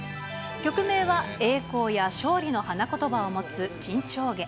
曲名は栄光や勝利の花言葉を持つ、沈丁花。